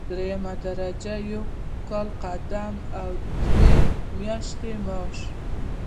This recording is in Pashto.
دریمه درجه یو کال قدم او دوه میاشتې معاش.